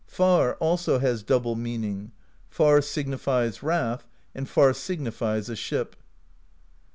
Far also has double meaning: far"^ signifies wrath, andy^r^ signifies a ship.